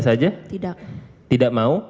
saja tidak tidak mau